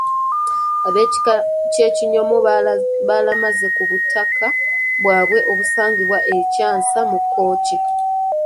Ab’ekika ky’Ekinyomo balamaze ku butaka bwabwe obusangibwa e Kyasa mu Kkooki.